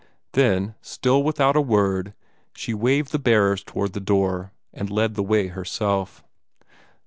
Then, still without a word, she waved the bearers toward the door, and led the way herself.